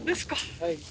はい。